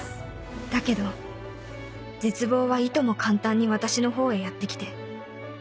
だけど絶望はいとも簡単に私の方へやってきて